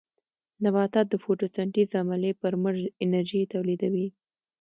نباتات د فوټوسنټیز عملیې پر مټ انرژي تولیدوي